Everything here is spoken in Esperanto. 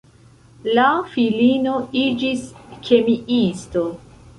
Li filino iĝis kemiisto.